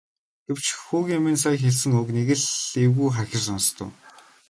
Гэвч хүүгийн нь сая хэлсэн үг нэг л эвгүй хахир сонстов.